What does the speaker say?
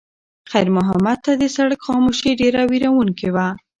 خیر محمد ته د سړک خاموشي ډېره وېروونکې وه.